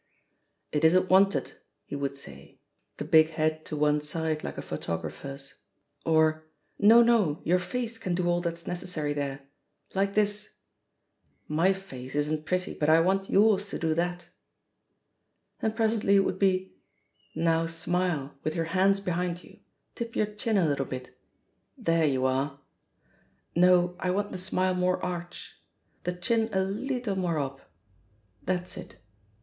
"It isn't wanted," he would say, the big head to one side like a photogra pher's; or, "No, no, your face can do all that's necessary there. Like this I ... My face isn't C46 THE POSITION OF PEGGY HARPER pretty, but I want yours to do that." And pres ently it would be, "Now smile, with your hands behind you — ^tip your chin a fittle bit. There you are 1 No ; I want the smile more arch. •.• The chin a leetle more up. ... That's it.